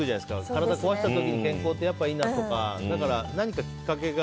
体を壊した時に健康ってやっぱりいいなとか何かきっかけが。